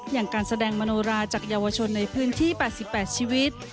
อย่างการแสดงมโนราจากเยาวชนในพื้นที่๘๘ชีวิต